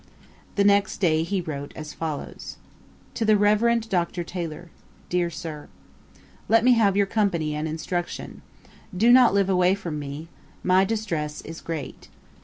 The next day he wrote as follows: 'To The Revernd Dr. Taylor. Dear Sir, 'Let me have your company and instruction. Do not live away from me. My distress is great.